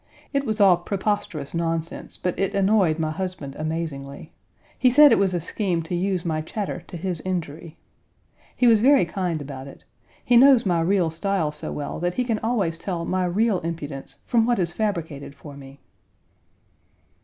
It was all preposterous nonsense, but it annoyed my husband amazingly. He said it was a scheme to use my chatter to his injury. He was very kind about it. He knows my real style so well that he can always tell my real impudence from what is fabricated for me.